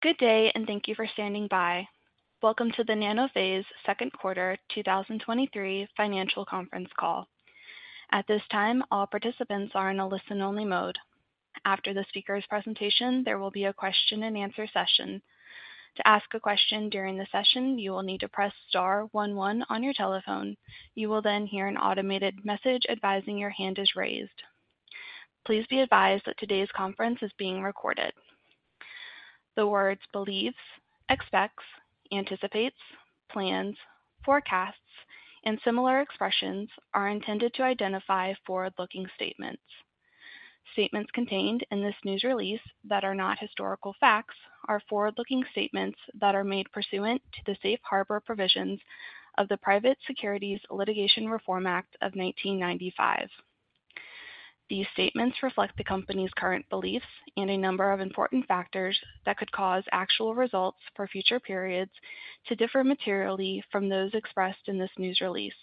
Good day, thank you for standing by. Welcome to the Nanophase second quarter 2023 financial conference call. At this time, all participants are in a listen-only mode. After the speaker's presentation, there will be a question-and-answer session. To ask a question during the session, you will need to press star one one on your telephone. You will then hear an automated message advising your hand is raised. Please be advised that today's conference is being recorded. The words believes, expects, anticipates, plans, forecasts, and similar expressions are intended to identify forward-looking statements. Statements contained in this news release that are not historical facts are forward-looking statements that are made pursuant to the Safe Harbor Provisions of the Private Securities Litigation Reform Act of 1995. These statements reflect the company's current beliefs and a number of important factors that could cause actual results for future periods to differ materially from those expressed in this news release.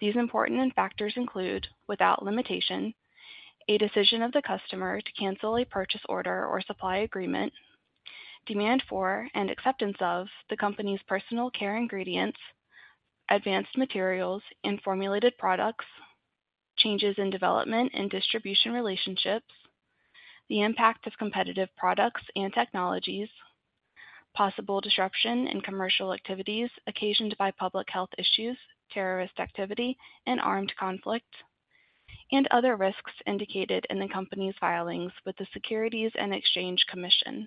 These important factors include, without limitation, a decision of the customer to cancel a purchase order or supply agreement, demand for and acceptance of the company's personal care ingredients, advanced materials, and formulated products, changes in development and distribution relationships, the impact of competitive products and technologies, possible disruption in commercial activities occasioned by public health issues, terrorist activity, and armed conflict, and other risks indicated in the company's filings with the Securities and Exchange Commission.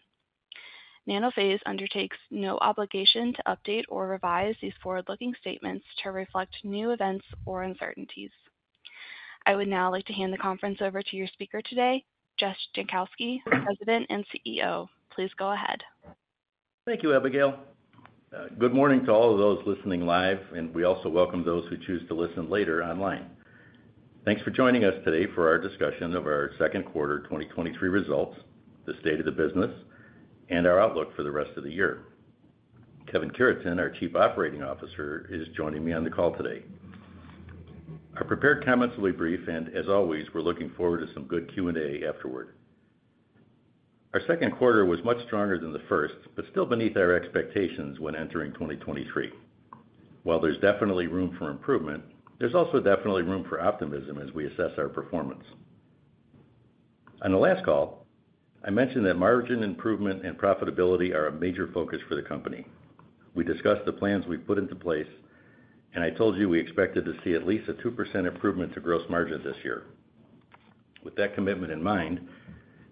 Nanophase undertakes no obligation to update or revise these forward-looking statements to reflect new events or uncertainties. I would now like to hand the conference over to your speaker today, Jess Jankowski, President and CEO. Please go ahead. Thank you, Abigail. Good morning to all of those listening live. We also welcome those who choose to listen later online. Thanks for joining us today for our discussion of our second quarter 2023 results, the state of the business, and our outlook for the rest of the year. Kevin Cureton, our Chief Operating Officer, is joining me on the call today. Our prepared comments will be brief, and as always, we're looking forward to some good Q&A afterward. Our second quarter was much stronger than the first, still beneath our expectations when entering 2023. While there's definitely room for improvement, there's also definitely room for optimism as we assess our performance. On the last call, I mentioned that margin improvement and profitability are a major focus for the company. We discussed the plans we've put into place, and I told you we expected to see at least a 2% improvement to gross margin this year. With that commitment in mind,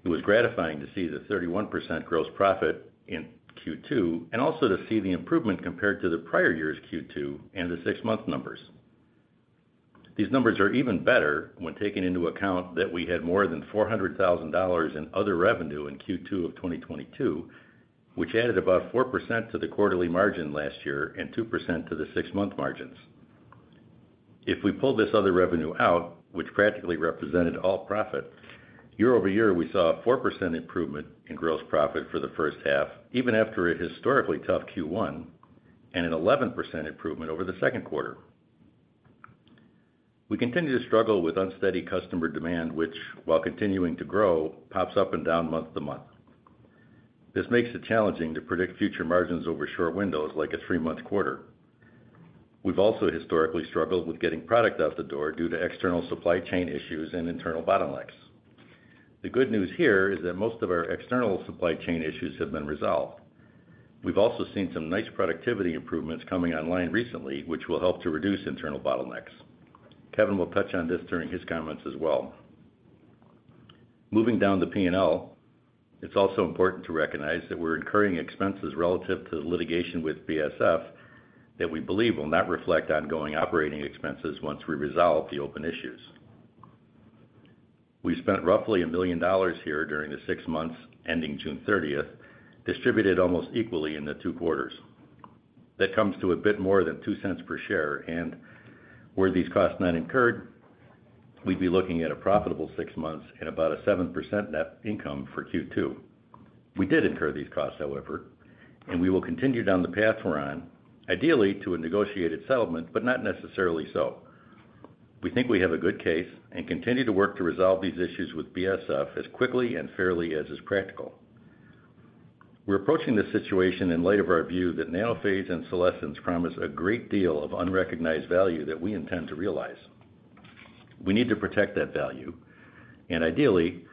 it was gratifying to see the 31% gross profit in Q2 and also to see the improvement compared to the prior year's Q2 and the six-month numbers. These numbers are even better when taking into account that we had more than $400,000 in other revenue in Q2 of 2022, which added about 4% to the quarterly margin last year and 2% to the six-month margins. If we pull this other revenue out, which practically represented all profit, year-over-year, we saw a 4% improvement in gross profit for the first half, even after a historically tough Q1, and an 11% improvement over the second quarter. We continue to struggle with unsteady customer demand, which, while continuing to grow, pops up and down month-to-month. This makes it challenging to predict future margins over short windows like a three-month quarter. We've also historically struggled with getting product out the door due to external supply chain issues and internal bottlenecks. The good news here is that most of our external supply chain issues have been resolved. We've also seen some nice productivity improvements coming online recently, which will help to reduce internal bottlenecks. Kevin will touch on this during his comments as well. Moving down to P&L, it's also important to recognize that we're incurring expenses relative to the litigation with BASF that we believe will not reflect ongoing operating expenses once we resolve the open issues. We spent roughly $1 billion here during the six months ending June 30th, distributed almost equally in the two quarters. That comes to a bit more than $0.02 per share, and were these costs not incurred, we'd be looking at a profitable six months and about a 7% net income for Q2. We did incur these costs, however, and we will continue down the path we're on, ideally to a negotiated settlement, but not necessarily so. We think we have a good case and continue to work to resolve these issues with BASF as quickly and fairly as is practical. We're approaching this situation in light of our view that Nanophase and Solesence promise a great deal of unrecognized value that we intend to realize. We need to protect that value and ideally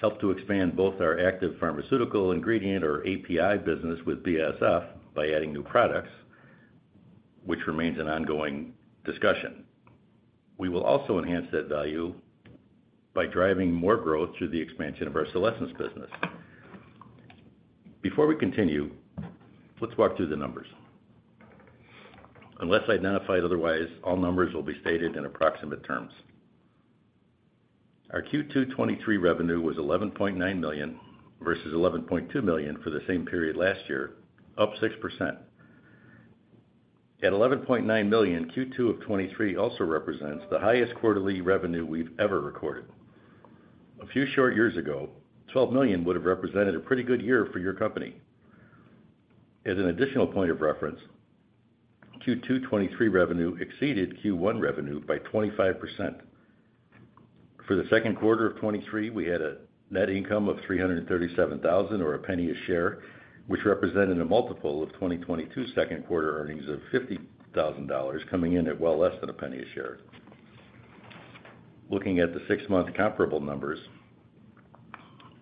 help to expand both our active pharmaceutical ingredient, or API, business with BASF by adding new products, which remains an ongoing discussion. We will also enhance that value by driving more growth through the expansion of our Solesence business. Before we continue, let's walk through the numbers. Unless identified otherwise, all numbers will be stated in approximate terms. Our Q2 2023 revenue was $11.9 million versus $11.2 million for the same period last year, up 6%. At $11.9 million, Q2 of 2023 also represents the highest quarterly revenue we've ever recorded. A few short years ago, $12 million would have represented a pretty good year for your company. As an additional point of reference, Q2 2023 revenue exceeded Q1 revenue by 25%. For the second quarter of 2023, we had a net income of $337,000, or $0.01 a share, which represented a multiple of 2022 second quarter earnings of $50,000, coming in at well less than $0.01 a share. Looking at the six-month comparable numbers,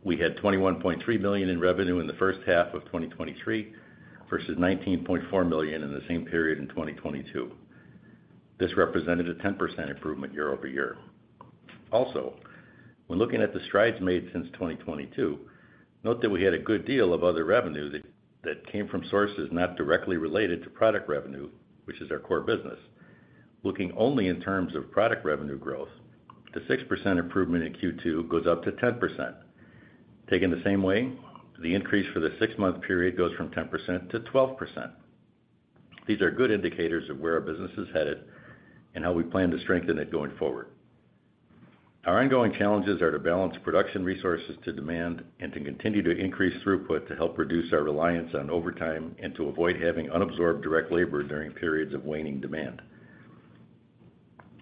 we had $21.3 million in revenue in the first half of 2023, versus $19.4 million in the same period in 2022. This represented a 10% improvement year-over-year. Also, when looking at the strides made since 2022, note that we had a good deal of other revenue that, that came from sources not directly related to product revenue, which is our core business. Looking only in terms of product revenue growth, the 6% improvement in Q2 goes up to 10%. Taken the same way, the increase for the six-month period goes from 10%-12%. These are good indicators of where our business is headed and how we plan to strengthen it going forward. Our ongoing challenges are to balance production resources to demand and to continue to increase throughput to help reduce our reliance on overtime and to avoid having unabsorbed direct labor during periods of waning demand.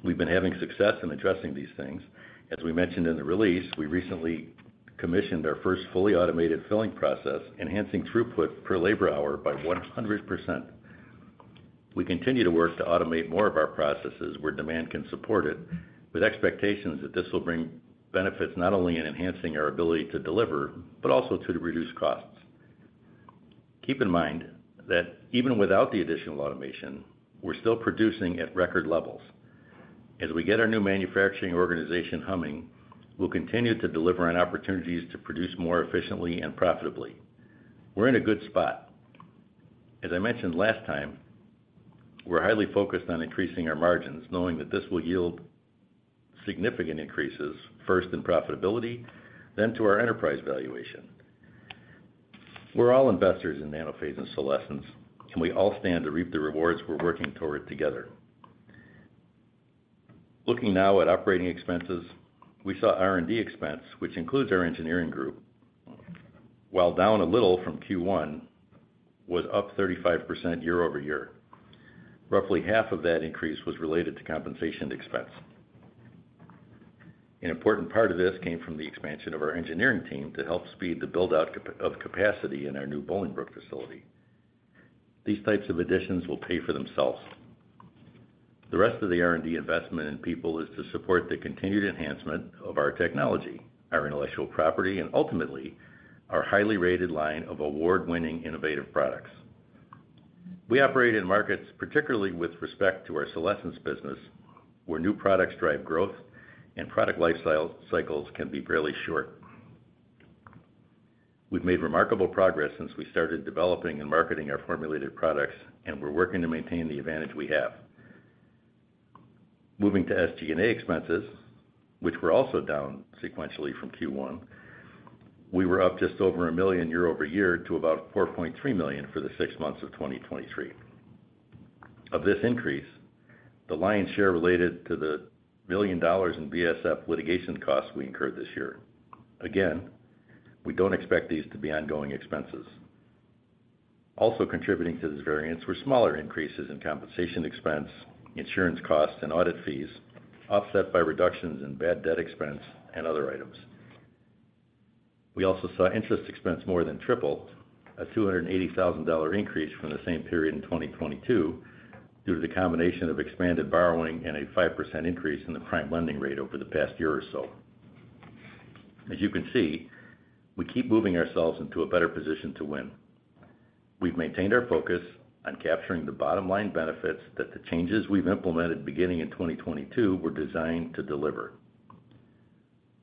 We've been having success in addressing these things. As we mentioned in the release, we recently commissioned our first fully automated filling process, enhancing throughput per labor hour by 100%. We continue to work to automate more of our processes where demand can support it, with expectations that this will bring benefits not only in enhancing our ability to deliver, but also to reduce costs. Keep in mind that even without the additional automation, we're still producing at record levels. As we get our new manufacturing organization humming, we'll continue to deliver on opportunities to produce more efficiently and profitably. We're in a good spot. As I mentioned last time, we're highly focused on increasing our margins, knowing that this will yield significant increases, first in profitability, then to our enterprise valuation. We're all investors in Nanophase and Solesence, and we all stand to reap the rewards we're working toward together. Looking now at operating expenses, we saw R&D expense, which includes our engineering group, while down a little from Q1, was up 35% year-over-year. Roughly half of that increase was related to compensation expense. An important part of this came from the expansion of our engineering team to help speed the build-out of capacity in our new Bolingbrook facility. These types of additions will pay for themselves. The rest of the R&D investment in people is to support the continued enhancement of our technology, our intellectual property, and ultimately, our highly rated line of award-winning innovative products. We operate in markets, particularly with respect to our Solesence business, where new products drive growth and product cycles can be fairly short. We've made remarkable progress since we started developing and marketing our formulated products, and we're working to maintain the advantage we have. Moving to SG&A expenses, which were also down sequentially from Q1, we were up just over $1 million year-over-year to about $4.3 million for the six months of 2023. Of this increase, the lion's share related to the $1 million in BASF litigation costs we incurred this year. Again, we don't expect these to be ongoing expenses. Also contributing to this variance were smaller increases in compensation expense, insurance costs, and audit fees, offset by reductions in bad debt expense and other items. We also saw interest expense more than triple, a $280,000 increase from the same period in 2022, due to the combination of expanded borrowing and a 5% increase in the prime lending rate over the past year or so. As you can see, we keep moving ourselves into a better position to win. We've maintained our focus on capturing the bottom line benefits that the changes we've implemented beginning in 2022 were designed to deliver.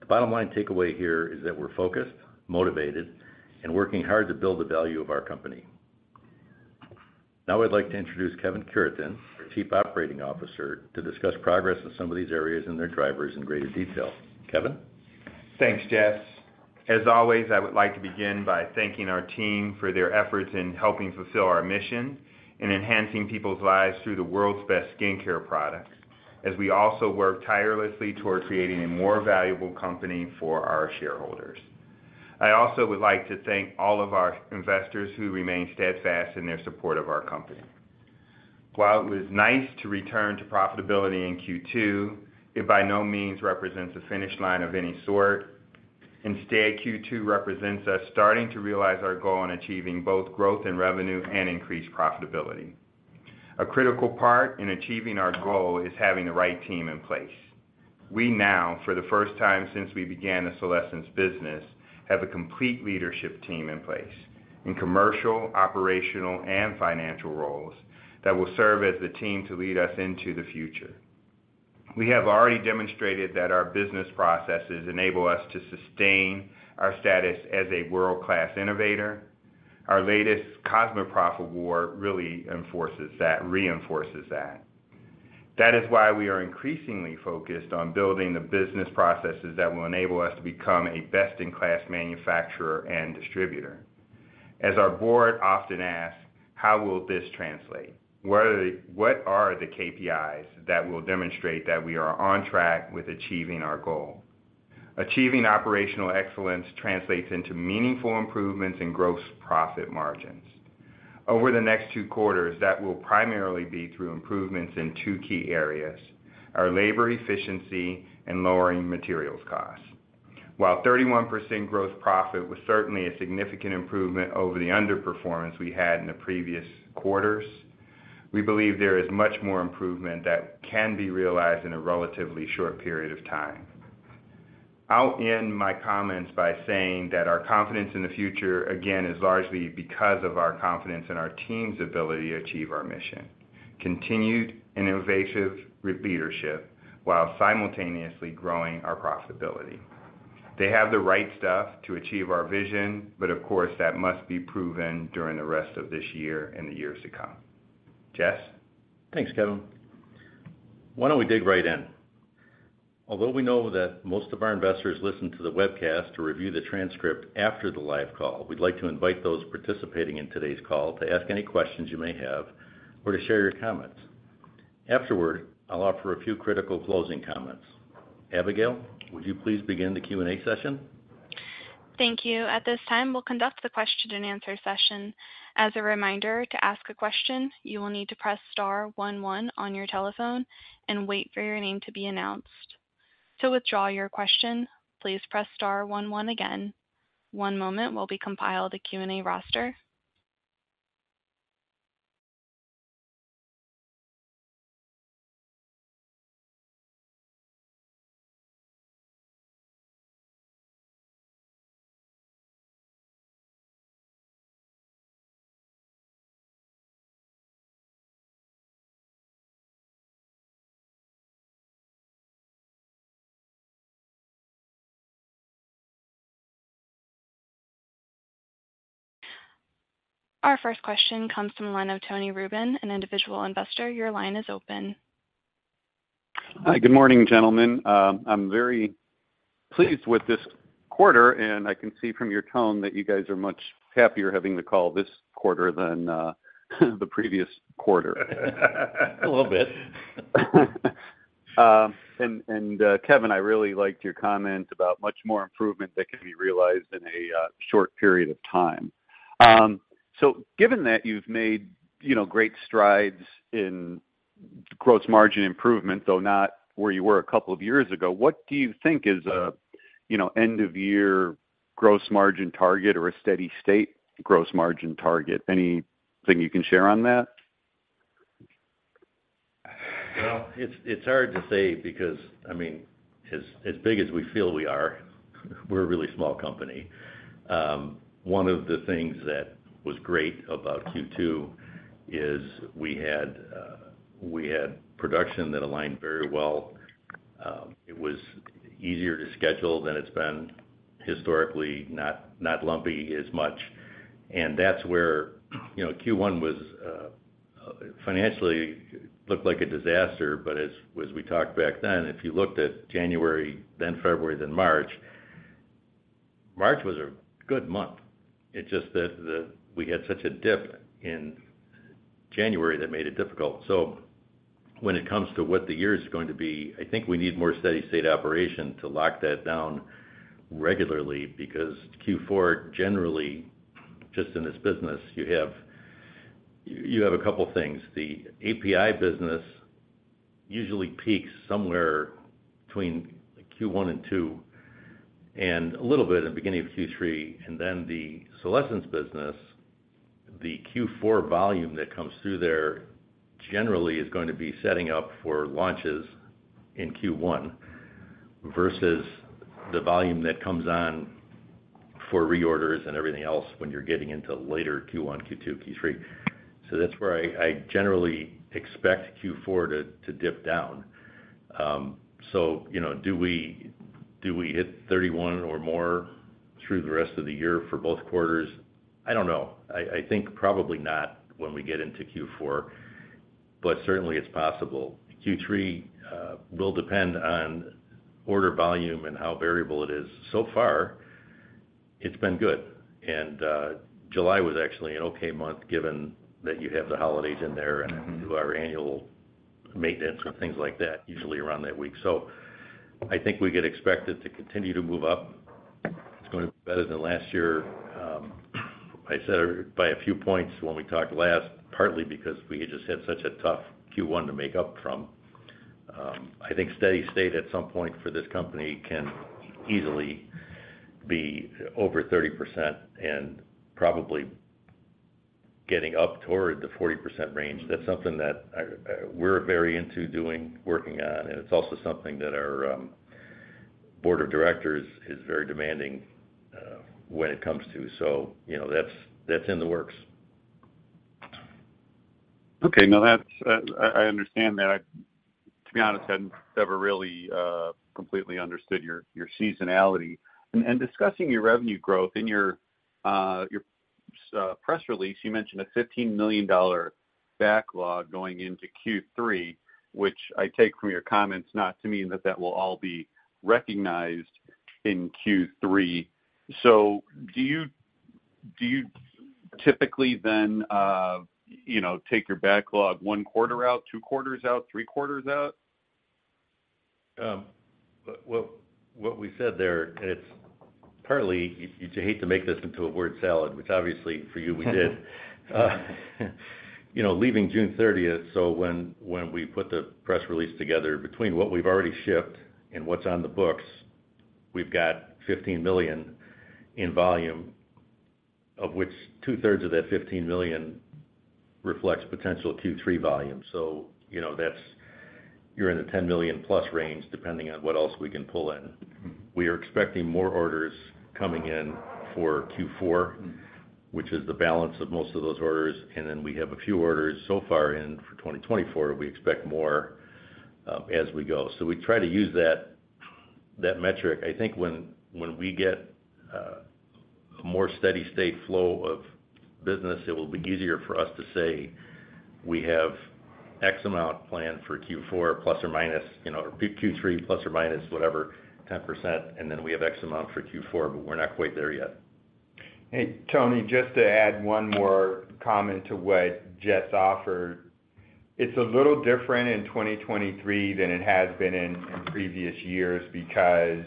The bottom line takeaway here is that we're focused, motivated, and working hard to build the value of our company. Now, I'd like to introduce Kevin Cureton, Chief Operating Officer, to discuss progress in some of these areas and their drivers in greater detail. Kevin? Thanks, Jess. As always, I would like to begin by thanking our team for their efforts in helping fulfill our mission in enhancing people's lives through the world's best skincare products, as we also work tirelessly toward creating a more valuable company for our shareholders. I also would like to thank all of our investors who remain steadfast in their support of our company. While it was nice to return to profitability in Q2, it by no means represents a finish line of any sort. Instead, Q2 represents us starting to realize our goal on achieving both growth in revenue and increased profitability. A critical part in achieving our goal is having the right team in place. We now, for the first time since we began the Solesence business, have a complete leadership team in place in commercial, operational, and financial roles that will serve as the team to lead us into the future. We have already demonstrated that our business processes enable us to sustain our status as a world-class innovator. Our latest CosmoProf Award really reinforces that. That is why we are increasingly focused on building the business processes that will enable us to become a best-in-class manufacturer and distributor. As our board often asks, "How will this translate? What are the KPIs that will demonstrate that we are on track with achieving our goal?" Achieving operational excellence translates into meaningful improvements in gross profit margins. Over the next two quarters, that will primarily be through improvements in two key areas, our labor efficiency and lowering materials costs. While 31% gross profit was certainly a significant improvement over the underperformance we had in the previous quarters, we believe there is much more improvement that can be realized in a relatively short period of time. I'll end my comments by saying that our confidence in the future, again, is largely because of our confidence in our team's ability to achieve our mission. Continued innovative leadership while simultaneously growing our profitability. They have the right stuff to achieve our vision, but of course, that must be proven during the rest of this year and the years to come. Jess? Thanks, Kevin. Why don't we dig right in? Although we know that most of our investors listen to the webcast to review the transcript after the live call, we'd like to invite those participating in today's call to ask any questions you may have or to share your comments. Afterward, I'll offer a few critical closing comments. Abigail, would you please begin the Q&A session? Thank you. At this time, we'll conduct the question and answer session. As a reminder, to ask a question, you will need to press star one one on your telephone and wait for your name to be announced. To withdraw your question, please press star one one again. One moment while we compile the Q&A roster. Our first question comes from the line of Tony Rubin, an individual investor. Your line is open. Hi, good morning, gentlemen. I'm very pleased with this quarter. I can see from your tone that you guys are much happier having the call this quarter than the previous quarter. A little bit. Kevin, I really liked your comment about much more improvement that can be realized in a short period of time. Given that you've made, you know, great strides in gross margin improvement, though not where you were two years ago, what do you think is a, you know, end-of-year gross margin target or a steady state gross margin target? Anything you can share on that? Well, it's, it's hard to say because, I mean, as, as big as we feel we are, we're a really small company. One of the things that was great about Q2 is we had production that aligned very well. It was easier to schedule than it's been historically, not, not lumpy as much. That's where, you know, Q1 was financially, looked like a disaster, but as, as we talked back then, if you looked at January, then February, then March, March was a good month. It's just that we had such a dip in January that made it difficult. When it comes to what the year is going to be, I think we need more steady state operation to lock that down regularly, because Q4, generally, just in this business, you have, you have two things. The API business usually peaks somewhere between Q1 and Q2, and a little bit in the beginning of Q3. Then the Solesence business, the Q4 volume that comes through there generally is going to be setting up for launches in Q1, versus the volume that comes on for reorders and everything else when you're getting into later Q1, Q2, Q3. That's where I, I generally expect Q4 to, to dip down. you know, do we, do we hit 31% or more through the rest of the year for both quarters? I don't know. I, I think probably not when we get into Q4, but certainly it's possible. Q3 will depend on order volume and how variable it is. So far, it's been good, and July was actually an okay month, given that you have the holidays in there, Mm-hmm. And do our annual maintenance and things like that, usually around that week. I think we get expected to continue to move up. It's going to be better than last year, I said by a few points when we talked last, partly because we just had such a tough Q1 to make up from. I think steady state at some point for this company can easily be over 30% and probably getting up toward the 40% range. That's something that we're very into doing, working on, and it's also something that our board of directors is very demanding when it comes to. You know, that's, that's in the works. Okay, now, that's, I, I understand that. To be honest, I hadn't ever really, completely understood your, your seasonality. Discussing your revenue growth, in your, your, press release, you mentioned a $15 million backlog going into Q3, which I take from your comments, not to mean that that will all be recognized in Q3. Do you, do you typically then, you know, take your backlog one quarter out, two quarters out, three quarters out? Well, what we said there, and it's partly, you, you hate to make this into a word salad, which obviously for you, we did. You know, leaving June 30th, so when, when we put the press release together, between what we've already shipped and what's on the books, we've got $15 million in volume, of which two-thirds of that $15 million reflects potential Q3 volume. You know, that's you're in the $10 million plus range, depending on what else we can pull in. We are expecting more orders coming in for Q4, which is the balance of most of those orders, and then we have a few orders so far in for 2024. We expect more as we go. We try to use that, that metric. I think when, when we get a more steady state flow of business, it will be easier for us to say, "We have X amount planned for Q4, plus or minus, you know, or Q3, plus or minus whatever, 10%, and then we have X amount for Q4," but we're not quite there yet. Hey, Tony, just to add one more comment to what Jess offered. It's a little different in 2023 than it has been in, in previous years because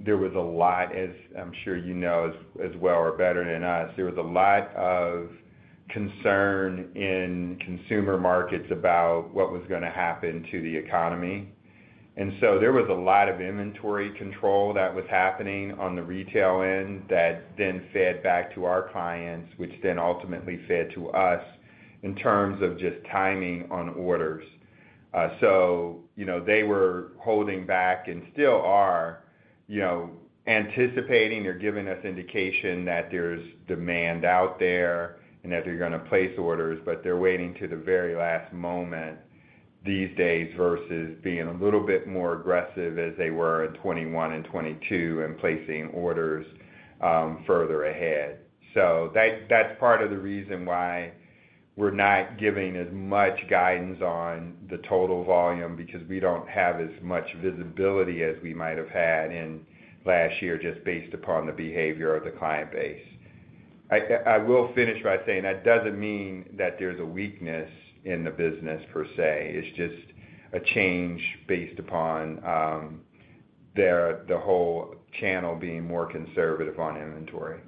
there was a lot, as I'm sure you know, as, as well or better than us, there was a lot of concern in consumer markets about what was gonna happen to the economy. There was a lot of inventory control that was happening on the retail end that then fed back to our clients, which then ultimately fed to us in terms of just timing on orders. You know, they were holding back and still are, you know, anticipating or giving us indication that there's demand out there and that they're gonna place orders, but they're waiting to the very last moment these days, versus being a little bit more aggressive as they were in 2021 and 2022 and placing orders further ahead. That, that's part of the reason why we're not giving as much guidance on the total volume, because we don't have as much visibility as we might have had in last year, just based upon the behavior of the client base. I, I, I will finish by saying that doesn't mean that there's a weakness in the business per se. It's just a change based upon the whole channel being more conservative on inventory.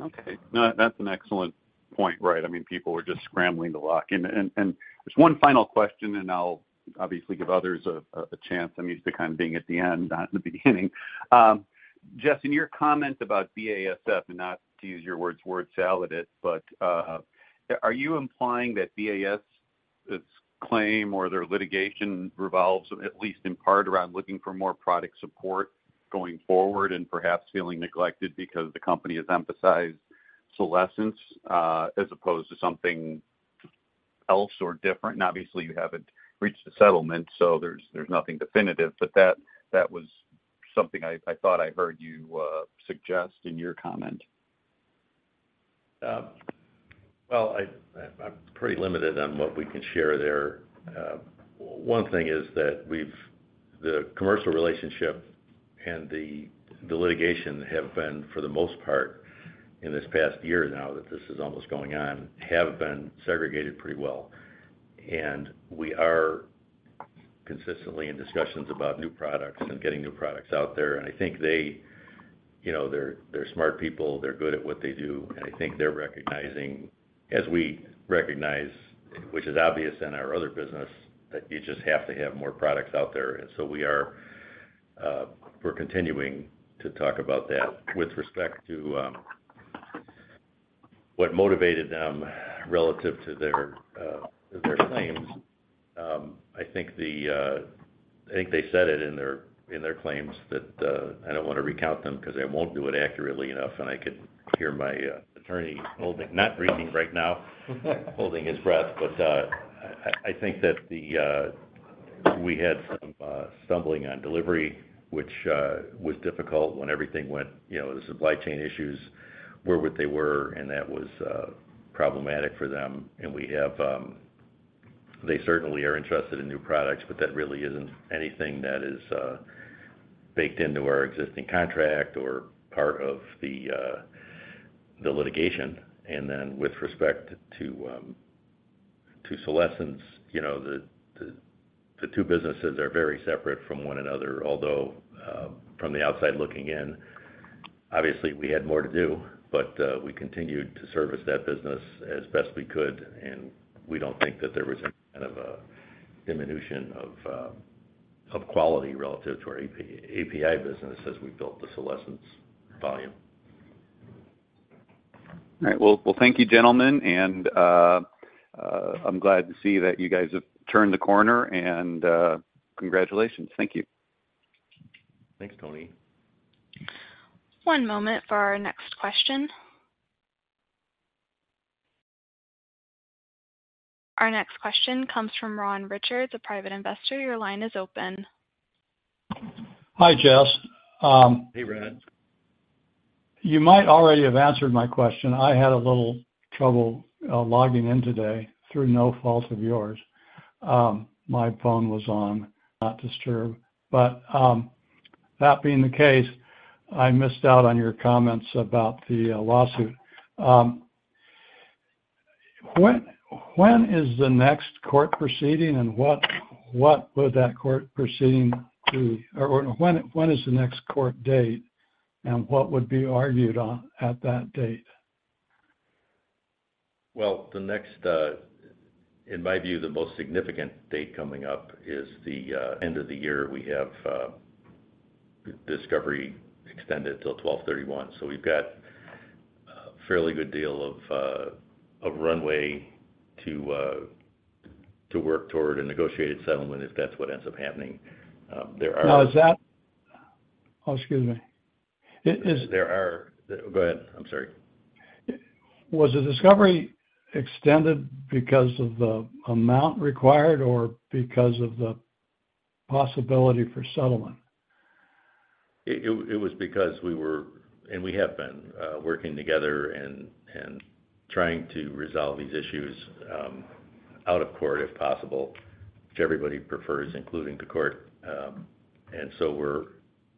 Okay. No, that's an excellent point, right? I mean, people were just scrambling to lock in. Just one final question, and I'll obviously give others a, a chance. I'm used to kind of being at the end, not the beginning. Jess, in your comment about BASF, and not to use your words, word salad it, but, are you implying that BASF's claim or their litigation revolves, at least in part, around looking for more product support going forward and perhaps feeling neglected because the company has emphasized Solesence, as opposed to something else or different? Obviously, you haven't reached a settlement, so there's, there's nothing definitive. That, that was something I, I thought I heard you suggest in your comment. Well, I, I'm pretty limited on what we can share there. One thing is that we've... The commercial relationship and the, the litigation have been, for the most part, in this past year now, that this is almost going on, have been segregated pretty well. We are consistently in discussions about new products and getting new products out there. I think they, you know, they're, they're smart people, they're good at what they do, and I think they're recognizing, as we recognize, which is obvious in our other business, that you just have to have more products out there. We are, we're continuing to talk about that. With respect to what motivated them relative to their claims, I think the I think they said it in their, in their claims that I don't want to recount them because I won't do it accurately enough, and I can hear my attorney holding, not reading right now, holding his breath. I, I think that the we had some stumbling on delivery, which was difficult when everything went, you know, the supply chain issues were what they were, and that was problematic for them. We have, they certainly are interested in new products, but that really isn't anything that is baked into our existing contract or part of the litigation. With respect to to Solesence, you know, the, the, the two businesses are very separate from one another. Although, from the outside looking in, obviously, we had more to do, but we continued to service that business as best we could, and we don't think that there was any kind of a diminution of, of quality relative to our API business as we built the Solesence volume. All right. Well, well, thank you, gentlemen, and I'm glad to see that you guys have turned the corner, and congratulations. Thank you. Thanks, Tony. One moment for our next question. Our next question comes from Ron Richards, a private investor. Your line is open. Hi, Jess. Hey, Ron. You might already have answered my question. I had a little trouble logging in today, through no fault of yours. My phone was on Not Disturb, but that being the case, I missed out on your comments about the lawsuit. When, when is the next court proceeding, and what, what would that court proceeding be? Or, when, when is the next court date, and what would be argued on at that date? Well, the next, in my view, the most significant date coming up is the end of the year. We have discovery extended till 12/31, so we've got a fairly good deal of runway to work toward a negotiated settlement, if that's what ends up happening. There are- Now, is that, Oh, excuse me. Is. There are... Go ahead. I'm sorry. Was the discovery extended because of the amount required or because of the possibility for settlement? It was because we were, and we have been, working together and, and trying to resolve these issues, out of court, if possible, which everybody prefers, including the court.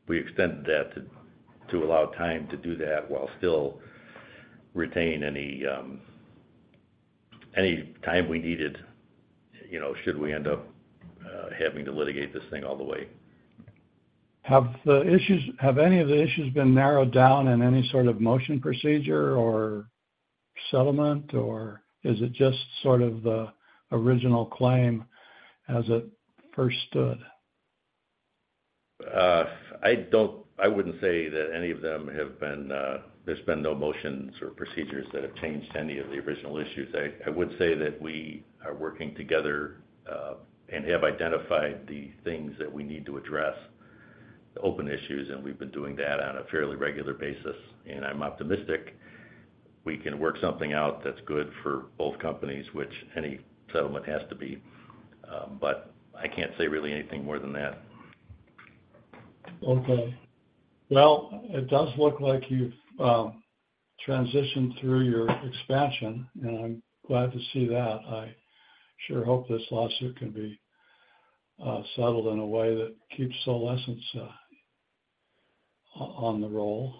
We extended that to, to allow time to do that while still retaining any, any time we needed, you know, should we end up, having to litigate this thing all the way. Have any of the issues been narrowed down in any sort of motion procedure or settlement, or is it just sort of the original claim as it first stood? I wouldn't say that any of them have been, there's been no motions or procedures that have changed any of the original issues. I would say that we are working together, have identified the things that we need to address, the open issues, and we've been doing that on a fairly regular basis. I'm optimistic we can work something out that's good for both companies, which any settlement has to be. I can't say really anything more than that. Okay. Well, it does look like you've transitioned through your expansion, and I'm glad to see that. I sure hope this lawsuit can be settled in a way that keeps Solesence on the roll.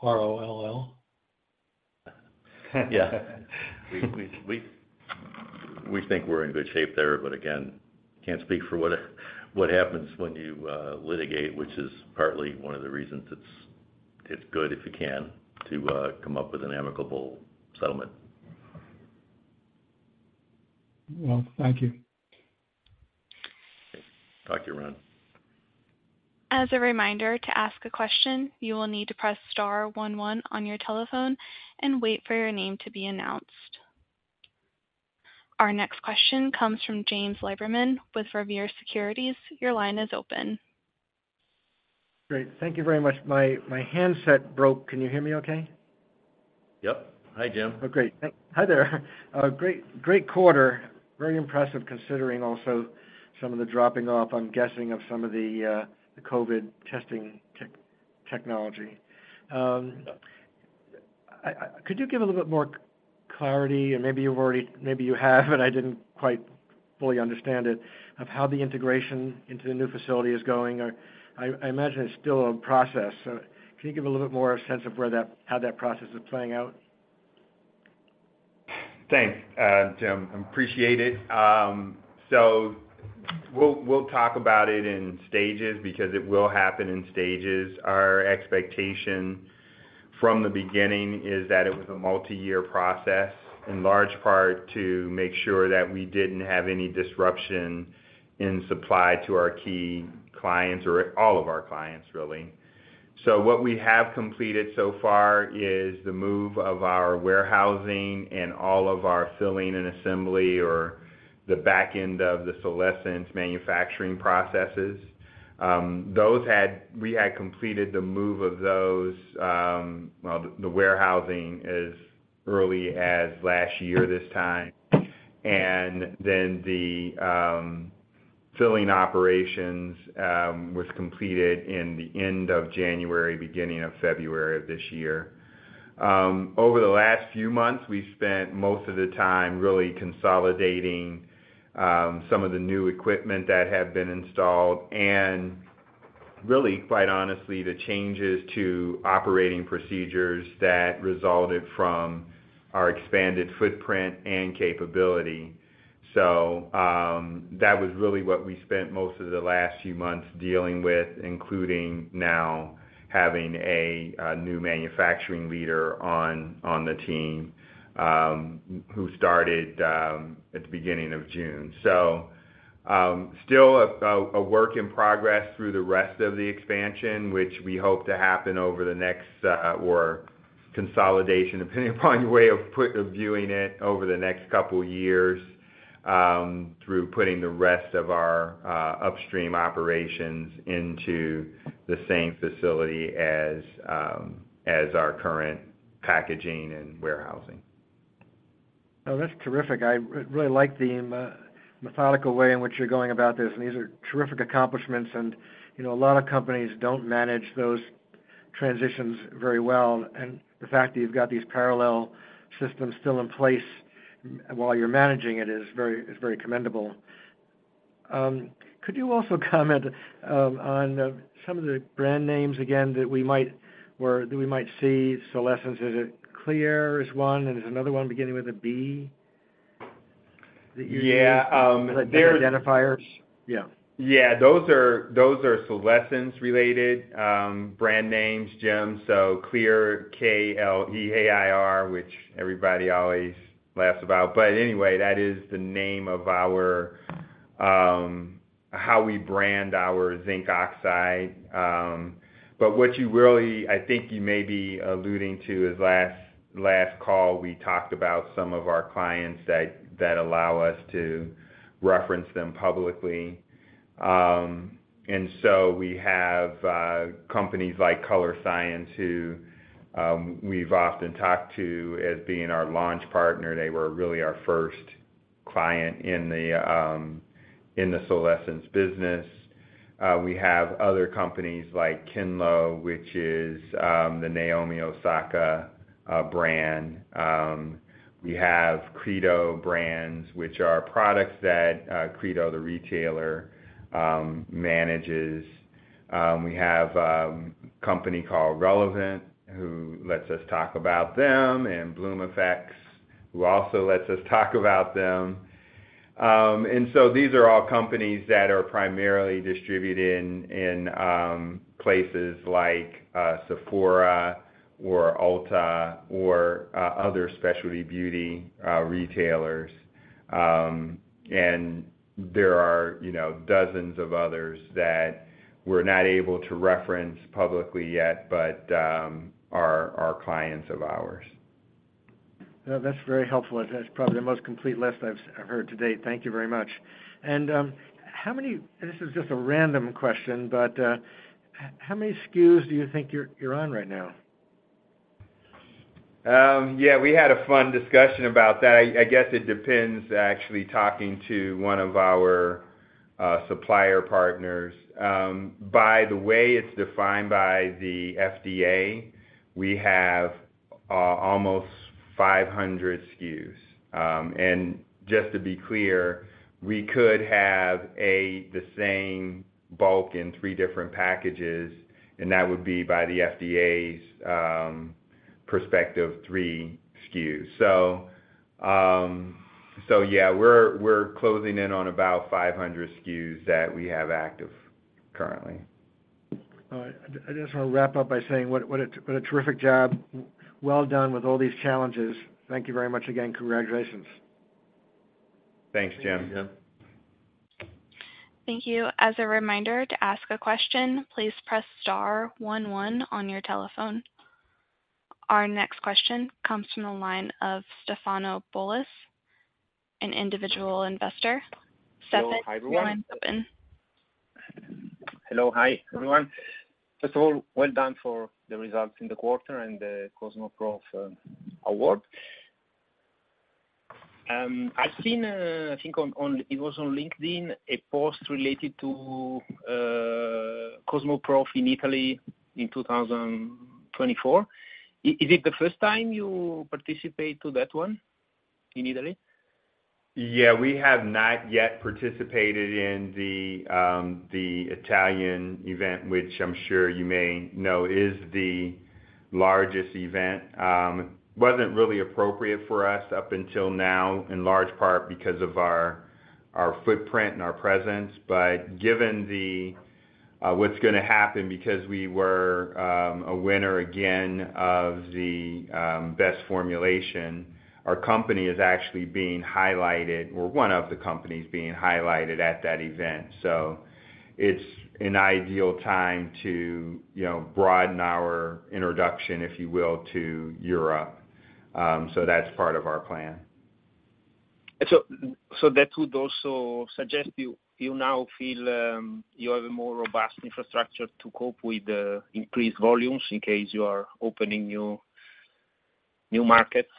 R-O-L-L. Yeah. We think we're in good shape there. Again, can't speak for what happens when you litigate, which is partly one of the reasons it's good, if you can, to come up with an amicable settlement. Well, thank you. Okay. Talk to you around. As a reminder, to ask a question, you will need to press star one one on your telephone and wait for your name to be announced. Our next question comes from James Lieberman with Revere Securities. Your line is open. Great. Thank you very much. My, my handset broke. Can you hear me okay? Yep. Hi, Jim. Oh, great. Hi there. Great, great quarter. Very impressive, considering also some of the dropping off, I'm guessing, of some of the COVID testing technology. Could you give a little bit more clarity, and maybe you've already maybe you have, and I didn't quite fully understand it, of how the integration into the new facility is going? I imagine it's still a process. Can you give a little bit more sense of where that how that process is playing out? Thanks, Jim. I appreciate it. We'll, we'll talk about it in stages because it will happen in stages. Our expectation from the beginning is that it was a multi-year process, in large part, to make sure that we didn't have any disruption in supply to our key clients or all of our clients, really. What we have completed so far is the move of our warehousing and all of our filling and assembly or the back end of the Solesence manufacturing processes. We had completed the move of those, well, the warehousing as early as last year, this time. Then the filling operations was completed in the end of January, beginning of February of this year. Over the last few months, we spent most of the time really consolidating, some of the new equipment that had been installed and really, quite honestly, the changes to operating procedures that resulted from our expanded footprint and capability. That was really what we spent most of the last few months dealing with, including now having a new manufacturing leader on, on the team, who started at the beginning of June. Still a work in progress through the rest of the expansion, which we hope to happen over the next, or consolidation, depending upon your way of put- of viewing it, over the next couple of years, through putting the rest of our upstream operations into the same facility as our current packaging and warehousing. Oh, that's terrific. I really like the methodical way in which you're going about this. These are terrific accomplishments. You know, a lot of companies don't manage those transitions very well, and the fact that you've got these parallel systems still in place while you're managing it, is very, is very commendable. Could you also comment on some of the brand names again, that we might, or that we might see Solesence? Is it Kleair is one, and there's another one beginning with a B, that you- Yeah, there- identifiers? Yeah. Yeah. Those are, those are Solesence related brand names, Jim. Kleair, K-L-E-A-I-R, which everybody always laughs about. Anyway, that is the name of our how we brand our zinc oxide. What you really-- I think you may be alluding to is last, last call, we talked about some of our clients that, that allow us to reference them publicly. We have companies like Colorescience, who we've often talked to as being our launch partner. They were really our first client in the in the Solesence business. We have other companies like KINLO, which is the Naomi Osaka brand. We have Credo Brands, which are products that Credo, the retailer, manages. We have a company called Relevant, who lets us talk about them, and Bloomeffects, who also lets us talk about them. These are all companies that are primarily distributed in, in places like Sephora or Ulta or other specialty beauty retailers. There are, you know, dozens of others that we're not able to reference publicly yet, but are clients of ours. Well, that's very helpful. That's probably the most complete list I've, I've heard to date. Thank you very much. This is just a random question, but, how many SKUs do you think you're, you're on right now? Yeah, we had a fun discussion about that. I, I guess it depends, actually, talking to one of our supplier partners. By the way, it's defined by the FDA, we have almost 500 SKUs. And just to be clear, we could have a-- the same bulk in three different packages, and that would be by the FDA's perspective, three SKUs. So yeah, we're, we're closing in on about 500 SKUs that we have active currently. All right. I just want to wrap up by saying, what a, what a terrific job, well done with all these challenges. Thank you very much again. Congratulations. Thanks, Jim. Yeah. Thank you. As a reminder, to ask a question, please press star one, one on your telephone. Our next question comes from the line of Stefano Bullis, an individual investor. Hello, hi, everyone. Stefan, your line is open. Hello, hi, everyone. First of all, well done for the results in the quarter and the Cosmoprof award. I've seen, I think it was on LinkedIn, a post related to Cosmoprof in Italy in 2024. Is it the first time you participate to that one in Italy? Yeah, we have not yet participated in the Italian event, which I'm sure you may know, is the largest event. Wasn't really appropriate for us up until now, in large part because of our footprint and our presence. Given the what's gonna happen because we were a winner again of the best formulation, our company is actually being highlighted, or one of the companies being highlighted at that event. It's an ideal time to, you know, broaden our introduction, if you will, to Europe. That's part of our plan. So that would also suggest you, you now feel you have a more robust infrastructure to cope with the increased volumes in case you are opening new, new markets?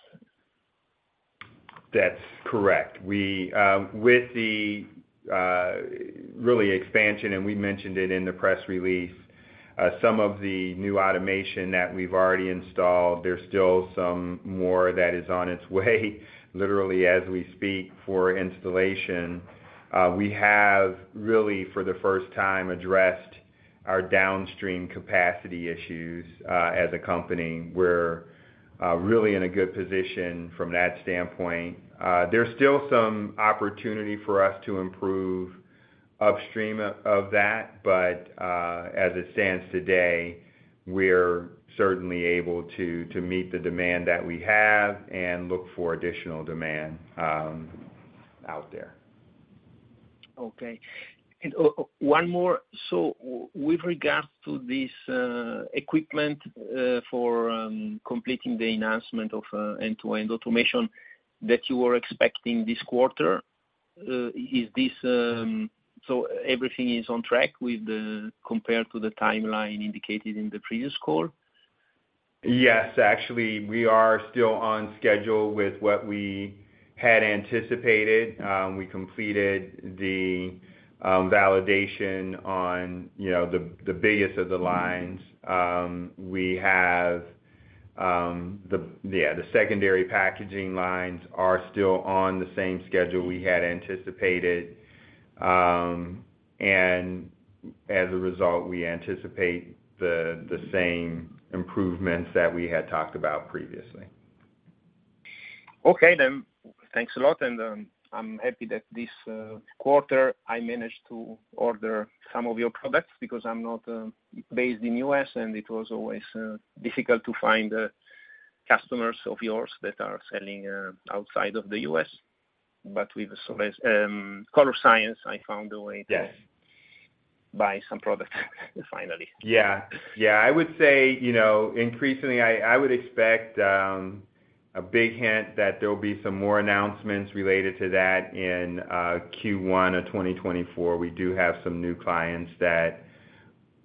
That's correct. We with the really expansion, we mentioned it in the press release, some of the new automation that we've already installed, there's still some more that is on its way, literally as we speak, for installation. We have really, for the first time, addressed our downstream capacity issues as a company. We're really in a good position from that standpoint. There's still some opportunity for us to improve upstream of, of that, as it stands today, we're certainly able to meet the demand that we have and look for additional demand out there. Okay. One more. With regards to this equipment for completing the enhancement of end-to-end automation that you were expecting this quarter, is this... Everything is on track compared to the timeline indicated in the previous call? Yes. Actually, we are still on schedule with what we had anticipated. We completed the validation on, you know, the, the biggest of the lines. We have, the, yeah, the secondary packaging lines are still on the same schedule we had anticipated. As a result, we anticipate the, the same improvements that we had talked about previously. Okay. Thanks a lot. I'm happy that this quarter I managed to order some of your products, because I'm not based in U.S., and it was always difficult to find customers of yours that are selling outside of the U.S. But with Soles-- Colorescience, I found a way to- Yes. Buy some products finally. Yeah. Yeah, I would say, you know, increasingly, I, I would expect a big hint that there will be some more announcements related to that in Q1 of 2024. We do have some new clients that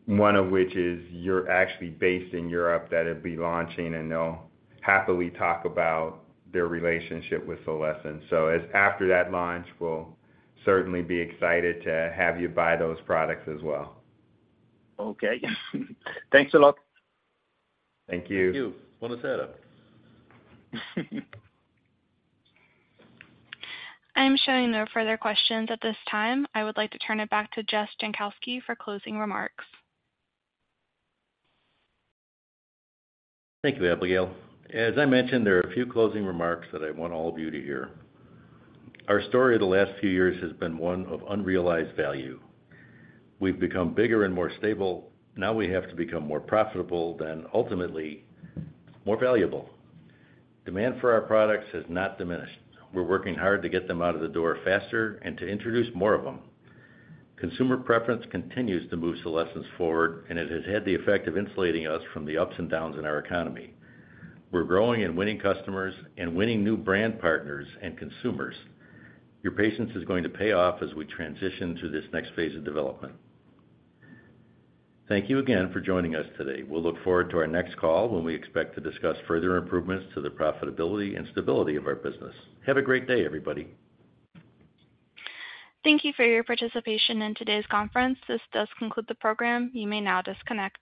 one of which is you're actually based in Europe, that it'd be launching, and they'll happily talk about their relationship with Solesence. As after that launch, we'll certainly be excited to have you buy those products as well. Okay. Thanks a lot. Thank you. Thank you. Buon sera. I'm showing no further questions at this time. I would like to turn it back to Jess Jankowski for closing remarks. Thank you, Abigail. As I mentioned, there are a few closing remarks that I want all of you to hear. Our story of the last few years has been one of unrealized value. We've become bigger and more stable. Now we have to become more profitable, then ultimately, more valuable. Demand for our products has not diminished. We're working hard to get them out of the door faster and to introduce more of them. Consumer preference continues to move Solesence forward, and it has had the effect of insulating us from the ups and downs in our economy. We're growing and winning customers and winning new brand partners and consumers. Your patience is going to pay off as we transition to this next phase of development. Thank you again for joining us today. We'll look forward to our next call, when we expect to discuss further improvements to the profitability and stability of our business. Have a great day, everybody. Thank you for your participation in today's conference. This does conclude the program. You may now disconnect.